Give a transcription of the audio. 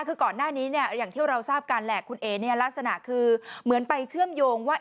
คือก่อนหน้านี้เนี่ยอย่างที่เราทราบกันแหละคุณเอ๋เนี่ยลักษณะคือเหมือนไปเชื่อมโยงว่า